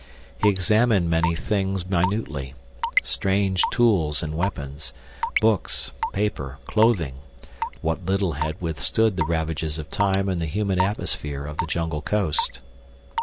He examined many things minutely—strange tools and weapons, books, paper, clothing—what little had withstood the ravages of time in the humid atmosphere of the jungle coast.